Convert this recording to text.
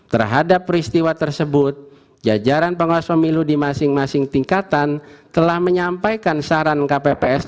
terhadap peristiwa tersebut jajaran pengawas pemilu di masing masing tingkatan telah menyampaikan saran kpps